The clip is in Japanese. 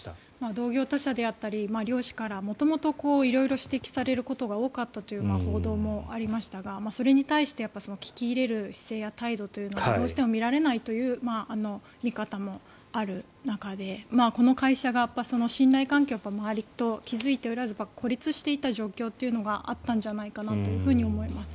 同業他社であったり漁師から色々指摘されることも多かったという報道もありましたがそれに対して聞き入れる姿勢や態度がどうしても見られないという見方もある中で、この会社が信頼関係を周りと築いておらず孤立していた状況があったんじゃないかなと思います。